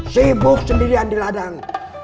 sibuk sendirian di ladang